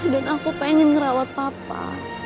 dan aku pengen ngerawat papa